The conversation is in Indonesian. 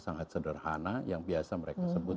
sangat sederhana yang biasa mereka sebut